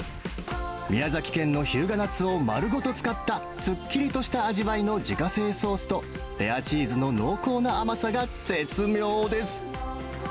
宮崎県の日向夏を丸ごと使った、すっきりとした味わいの自家製ソースと、レアチーズの濃厚な甘さが絶妙です。